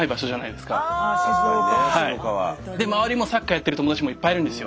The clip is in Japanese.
で周りもサッカーやってる友達もいっぱいいるんですよ。